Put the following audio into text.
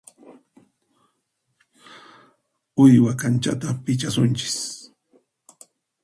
Uywa kanchata pichasunchis.